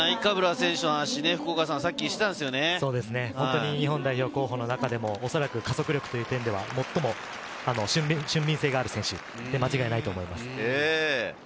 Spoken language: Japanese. ナイカブラ選手の足、日本代表候補の中でも、おそらく加速力という点では最も俊敏性がある選手で間違いないと思います。